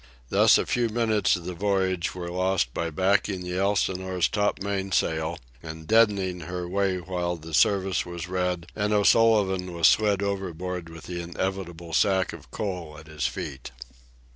Thus a few minutes of the voyage were lost by backing the Elsinore's main topsail and deadening her way while the service was read and O'Sullivan was slid overboard with the inevitable sack of coal at his feet.